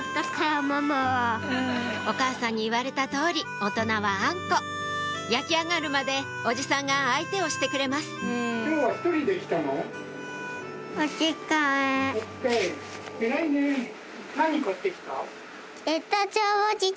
お母さんに言われた通り大人はあんこ焼き上がるまでおじさんが相手をしてくれますおつかい。